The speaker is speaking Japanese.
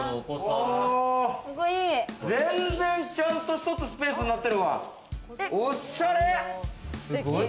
全然ちゃんとしたスペースになってるわ、おしゃれ！